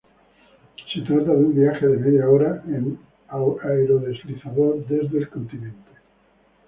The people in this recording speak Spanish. Se trata de un viaje de media hora en aerodeslizador desde el continente.